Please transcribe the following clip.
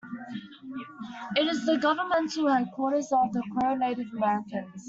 It is the governmental headquarters of the Crow Native Americans.